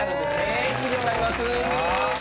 以上になります。